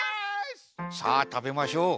さあたべましょう。